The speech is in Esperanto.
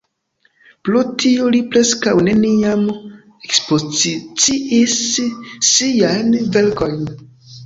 Pro tio li preskaŭ neniam ekspoziciis siajn verkojn.